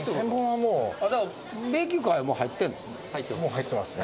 もう入ってますね。